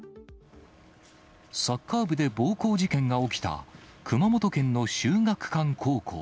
サッカー部で暴行事件が起きた、熊本県の秀岳館高校。